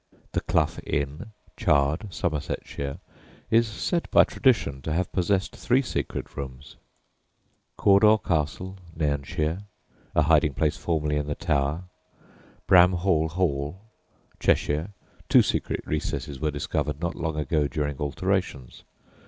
The "Clough Inn," Chard, Somersetshire, is said by tradition to have possessed three secret rooms! Cawdor Castle, Nairnshire a hiding place formerly in "the tower." Bramhall Hall, Cheshire two secret recesses were discovered not long ago during alterations.